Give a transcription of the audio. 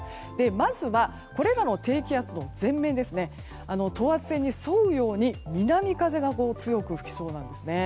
まずは、これらの低気圧の等圧線に沿うように南風が強く吹きそうなんですね。